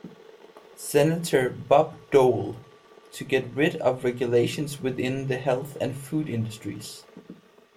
Senator Bob Dole to get rid of regulations within the health and food industries.